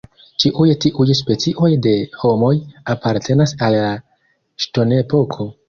Ĉiuj tiuj specioj de homoj apartenas al la ŝtonepoko.